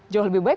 jauh lebih baik